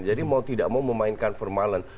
jadi mau tidak mau memainkan vermaelen